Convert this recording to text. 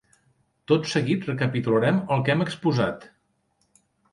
Tot seguit recapitularem el que hem exposat.